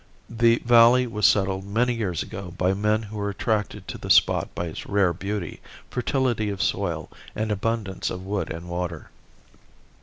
The valley was settled many years ago by men who were attracted to the spot by its rare beauty, fertility of soil and an abundance of wood and water.